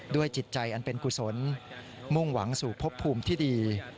จิตใจอันเป็นกุศลมุ่งหวังสู่พบภูมิที่ดี